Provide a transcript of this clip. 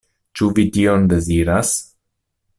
Ĉu vi tion deziras?